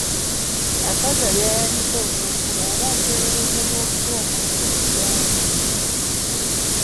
Akaza by'ayanise okw'enkuba aba ateeberezebwa okuba omulogo ku kyalo.